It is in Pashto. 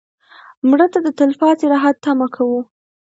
مړه ته د تلپاتې راحت تمه کوو